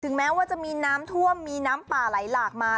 แม้ว่าจะมีน้ำท่วมมีน้ำป่าไหลหลากมา